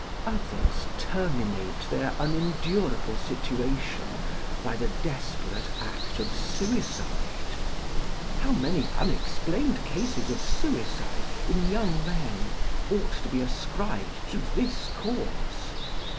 Others terminate their unendurable situation by the desperate act of suicide. How many unexplained cases of suicide in young men ought to be ascribed to this cause!